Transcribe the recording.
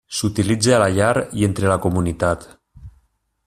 S'utilitza a la llar i entre la comunitat.